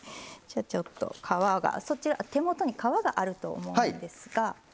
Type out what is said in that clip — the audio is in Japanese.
ちょっと皮がそちら手元に皮があると思うんですが。